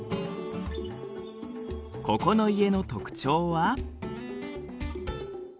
ここの家の特徴は。